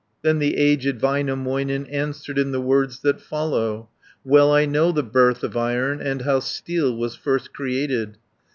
Then the aged Väinämöinen Answered in the words that follow: "Well I know the birth of Iron, And how steel was first created.